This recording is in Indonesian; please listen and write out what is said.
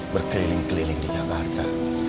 berkeliling keliling di jakarta